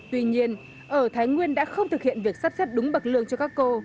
tuy nhiên ở thái nguyên đã không thực hiện việc sắp xếp đúng bậc lương cho các cô